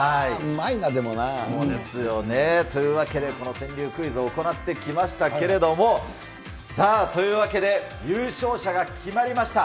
そうですよね。というわけで、この川柳クイズ行ってきましたけれども、さあ、というわけで、優勝者が決まりました。